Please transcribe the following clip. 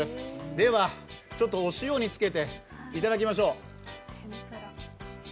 では、お塩につけていただきましょう。